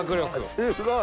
すごい。